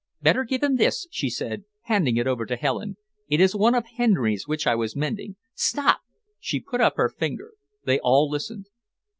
"Better give him this," she said, handing it over to Helen. "It is one of Henry's which I was mending. Stop!" She put up her finger. They all listened.